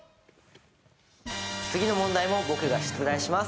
次の問題も僕が出題します。